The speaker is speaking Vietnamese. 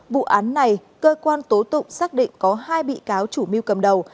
vụ án này cơ quan tố tụng xác định có hai bị cáo chủ mưu cầm đầu